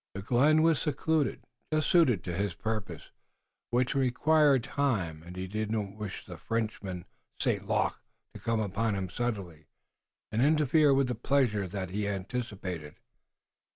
The glen was secluded, just suited to his purpose, which required time, and he did not wish the Frenchman, St. Luc, to come upon him suddenly, and interfere with the pleasure that he anticipated.